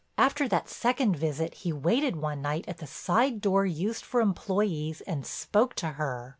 After that second visit he waited one night at the side door used for employees and spoke to her.